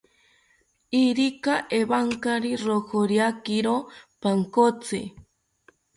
Irika ewankari rojoriakiro pankotsi